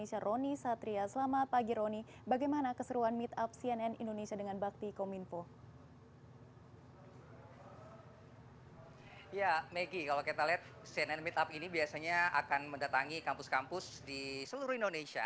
ya maggie kalau kita lihat cnn meetup ini biasanya akan mendatangi kampus kampus di seluruh indonesia